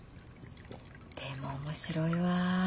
でも面白いわ。